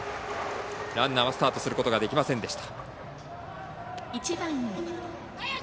ランナーはスタートすることができませんでした。